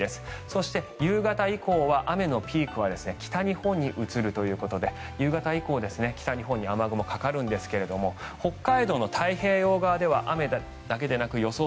そして、夕方以降は雨のピークは北日本に移るということで夕方以降北日本に雨雲がかかるんですが北海道の太平洋側では雨だけではなく予想